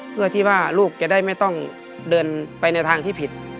เพื่อที่ว่าลูกจะได้ไม่ต้องเดินไปในทางที่ผิด